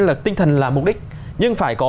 là tinh thần là mục đích nhưng phải có